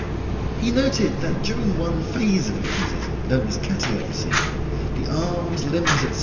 He noted that during one phase of hypnotism, known as catalepsy, the arms, limbs, etc.